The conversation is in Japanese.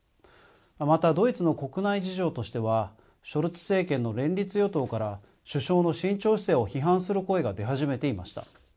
また、ドイツの国内事情としてはショルツ政権の連立与党から首相の慎重姿勢を批判する声が出始めていました。